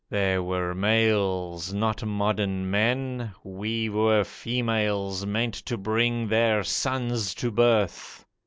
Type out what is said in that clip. There were males, not modern men; We were females meant to bring their sons to birth.